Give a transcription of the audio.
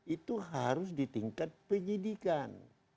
itu harus di tingkat penyidikan